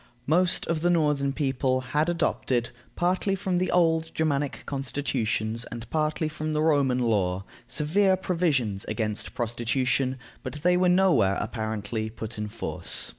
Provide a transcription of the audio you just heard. Most of the northern people had adopted, partly from the old Germanic constitutions and partly from the Roman law, severe provisions against prostitution, but they were nowhere, apparently, put in force.